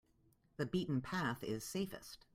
The beaten path is safest.